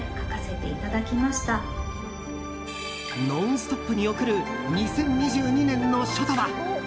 「ノンストップ！」に贈る２０２２年の書とは？